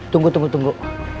tunggu tunggu tunggu